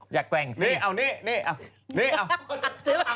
อยากแปลงสินี่เอานี่นี่เอา